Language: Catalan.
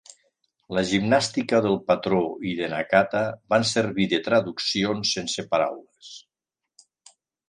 La gimnàstica del patró i de Nakata van servir de traduccions sense paraules.